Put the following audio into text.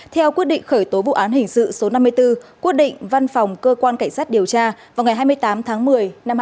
theo quyết định khởi tố vụ án hình sự số năm mươi bốn quyết định văn phòng cơ quan cảnh sát điều tra vào ngày hai mươi tám tháng một mươi năm hai nghìn hai mươi